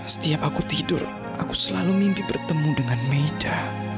setiap aku tidur aku selalu mimpi bertemu dengan meida